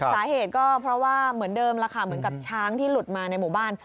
สาเหตุก็เพราะว่าเหมือนเดิมแล้วค่ะเหมือนกับช้างที่หลุดมาในหมู่บ้าน